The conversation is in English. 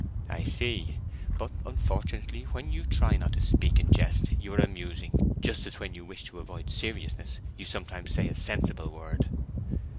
"I see. But, unfortunately, when you try not to speak in jest you are amusing—just as when you wish to avoid seriousness you sometimes say a sensible word."